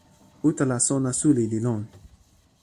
utala sona suli li lon.